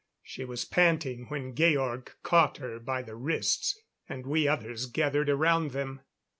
She was panting when Georg caught her by the wrists, and we others gathered around them.